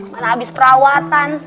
mana abis perawatan